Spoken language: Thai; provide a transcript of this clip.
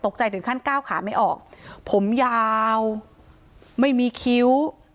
ใจถึงขั้นก้าวขาไม่ออกผมยาวไม่มีคิ้ว